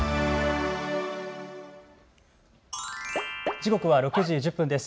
時刻は６時１０分です。